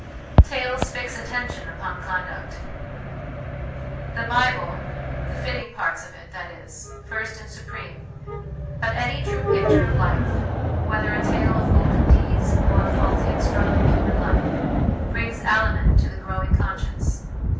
Tales fix attention upon Conduct. The Bible (the fitting parts of it, that is) first and supreme ; but any true picture of life, whether a tale of golden deeds or of faulty and struggling human life, brings aliment to the growing conscience.